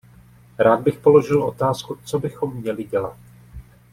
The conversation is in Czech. Rád bych položil otázku, co bychom měli dělat.